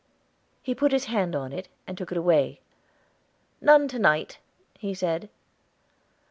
He put his hand on it, and took it away. "None to night," he said.